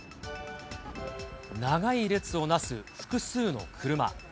長い列をなす複数の車。